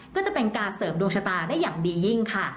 ก็จะเป็นการเสริมดวงชะตาได้อย่างดียิ่งค่ะ